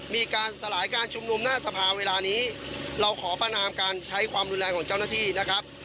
มีการสลายการชุมนุมหน้าสภาเวลานี้เราขอประนามการใช้ความรุนแรงของเจ้าหน้าที่นะครับ